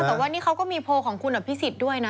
แต่ว่านี่เขาก็มีโพลของคุณอภิษฎด้วยนะ